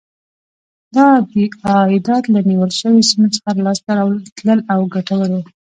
دا عایدات له نیول شویو سیمو څخه لاسته راتلل او ګټور و.